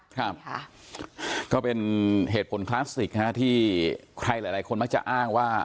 ครับก็เป็นเหตุผลที่คนคนที่มีประชาชนักต่อถึงอ้างว่า